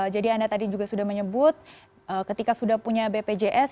jadi anda tadi juga sudah menyebut ketika sudah punya bpjs